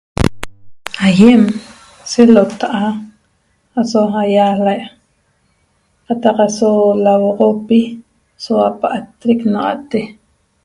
Aýem selota'a aso hayala qataq aso lauo'oxopi soua pa'atrec na'axa'te